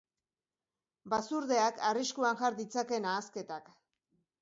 Basurdeak arriskuan jar ditzake nahasketak.